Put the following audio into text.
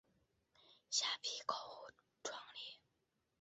虾皮购物创立。